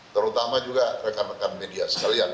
terutama juga rekan rekan media sekalian